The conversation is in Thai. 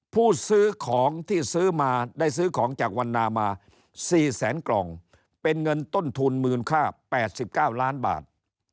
ผู้ซื้อของที่ซื้อมาได้ซื้อของจากวันนามา๔แสนกล่องเป็นเงินต้นทุนมูลค่า๘๙ล้านบาท